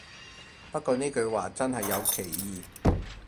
不過呢句話真係有歧義